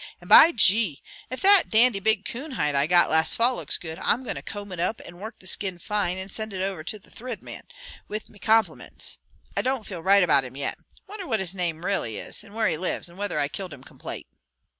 And, by gee! If that dandy big coon hide I got last fall looks good, I'm going to comb it up, and work the skin fine, and send it to the Thrid Man, with me complimints. I don't feel right about him yet. Wonder what his name railly is, and where he lives, or whether I killed him complate."